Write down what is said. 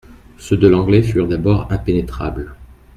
Ceux de l'Anglais furent d'abord impénétrables.